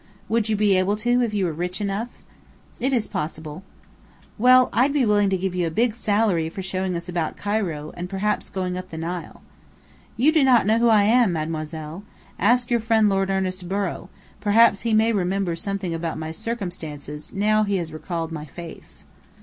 "Would you be able to, if you were rich enough?" "It is possible." "Well, I'd be willing to give you a big salary for showing us about Cairo, and perhaps going up the Nile." "You do not know who I am, Mademoiselle. Ask your friend Lord Ernest Borrow. Perhaps he may remember something about my circumstances now he has recalled my face."